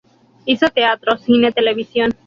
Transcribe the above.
Hizo teatro, cine, televisión.